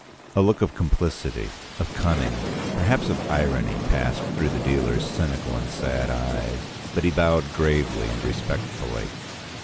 A look of complicity, of cunning, perhaps of irony, passed through the dealer's cynical and sad eyes. But he bowed gravely and respectfully.